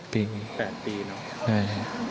๘ปีเนาะ